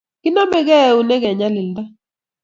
Kinamegei keunek eng nyalilda